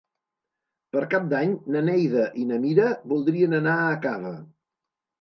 Per Cap d'Any na Neida i na Mira voldrien anar a Cava.